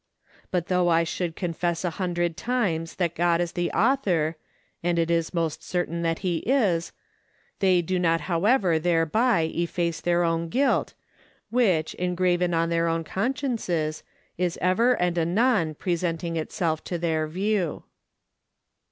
But though I should confess a hundred times that God is the author (and it is most certain that he is), they do not however thereby efface their own guilt, which, engraven on their own consciences, is ever and anon presenting itself to their view....